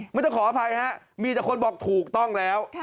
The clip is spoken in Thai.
ไม่ต้องขออภัยฮะมีแต่คนบอกถูกต้องแล้ว